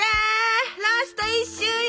ラスト１周よ